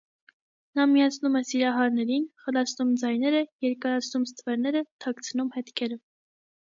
Նա միացնում է սիրահարներին, խլացնում ձայները, երկարացնում ստվերները, թաքցնում հետքերը։